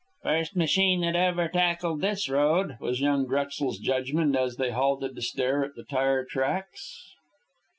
"First machine that ever tackled this road," was young Drexel's judgment, as they halted to stare at the tire tracks.